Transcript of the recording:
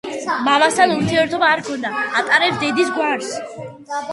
მამასთან ურთიერთობა არ ჰქონია, ატარებს დედის გვარს.